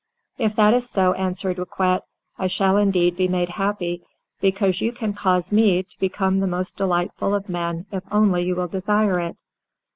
"If that is so," answered Riquet, "I shall indeed be made happy, because you can cause me to become the most delightful of men if only you will desire it.